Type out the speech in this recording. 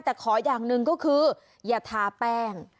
แต่ขออย่างหนึ่งก็คืออย่าทาแป้ง